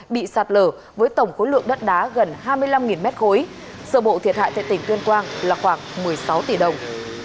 bị sạt lở với tổng khối lượng đất đá gần hai mươi năm m ba sở bộ thiệt hại tại tỉnh tuyên quang là khoảng một mươi sáu tỷ đồng